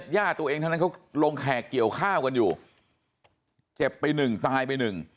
ญาติตัวเองทั้งนั้นเขาลงแขกเกี่ยวข้าวกันอยู่เจ็บไปหนึ่งตายไปหนึ่ง